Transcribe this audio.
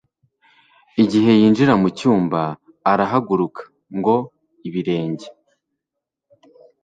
Igihe yinjira mu cyumba, arahaguruka ngo ibirenge.